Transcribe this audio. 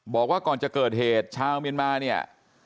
บอกว่าก่อนจะเกิดเหตุชาวเมียนมาเนี่ย